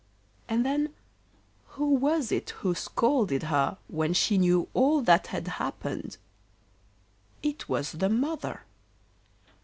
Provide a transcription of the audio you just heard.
And then, who was it who scolded her when she knew all that had happened? It was the mother.